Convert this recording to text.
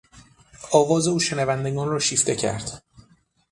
آواز او شنوندگان را شیفته کرد.